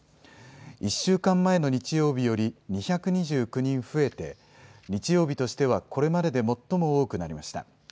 １週間前の日曜日より２２９人増えて日曜日としてはこれまでで最も多くなりました。